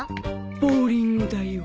ボウリングだよ。